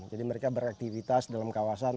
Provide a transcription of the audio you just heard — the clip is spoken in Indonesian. jadi mereka beraktivitas dalam kawasan